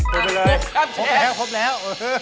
ไปเรื่อยเลย